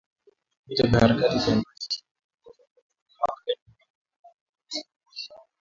Vita vya Harakati za Machi ishirini na tatu vilianza mwaka elfu mbili na nane na kuendelea.